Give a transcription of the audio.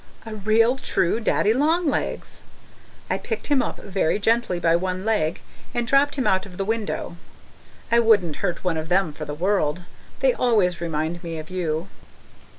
A real true Daddy Long Legs! I picked him up very gently by one leg, and dropped him out of the window. I wouldn't hurt one of them for the world. They always remind me of you.